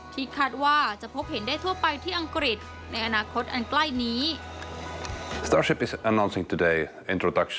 ที่คาดว่าจะพบเห็นได้ทั่วไปที่อังกฤษในอนาคตอันใกล้นี้